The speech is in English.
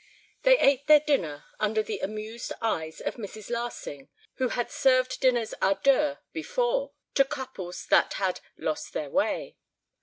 LI They ate their dinner under the amused eyes of Mrs. Larsing, who had served dinners à deux before to couples that had "lost their way."